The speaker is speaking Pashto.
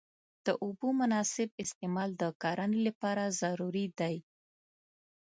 د اوبو مناسب استعمال د کرنې لپاره ضروري دی.